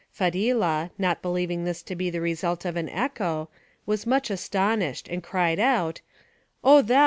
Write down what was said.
Fadhilah, not believing this to be the result of an echo, was much astonished, and cried out, "O thou!